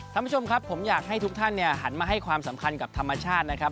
ท่านผู้ชมครับผมอยากให้ทุกท่านเนี่ยหันมาให้ความสำคัญกับธรรมชาตินะครับ